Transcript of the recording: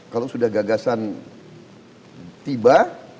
kalau sudah gagasan tiba